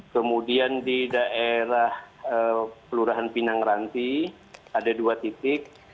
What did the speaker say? kemudian di daerah kelurahan pinang ranti ada dua titik